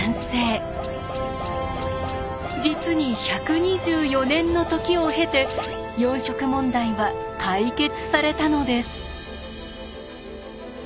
実に１２４年の時を経て四色問題は解決されたのです。